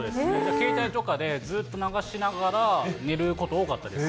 携帯とかでずっと流しながら寝ること多かったです。